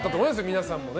皆さんもね。